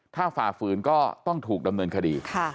ถ้าฝ่าฝืนก็ต้องถูกดำเนินคดี